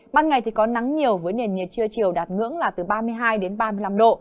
ban ngày thì có nắng nhiều với nền nhiệt chưa chiều đạt ngưỡng là từ ba mươi hai đến ba mươi năm độ